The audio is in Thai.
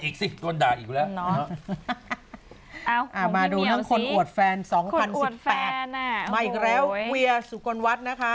อีกสิตัวด่าอีกแล้วหมดแฟน๒๐๐๐แฟนอีกแล้วเวียสุฆนวัตดิ์นะคะ